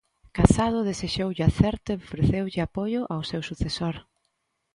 Casado desexoulle acerto e ofreceulle apoio ao seu sucesor.